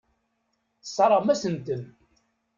Tesseṛɣem-as-ten.